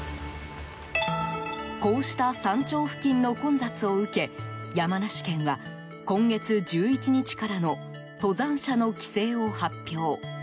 こうした山頂付近の混雑を受け山梨県は今月１１日からの登山者の規制を発表。